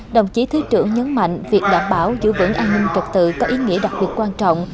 đồng chí thứ trưởng nhấn mạnh việc đảm bảo giữ vững an ninh trật tự có ý nghĩa đặc biệt quan trọng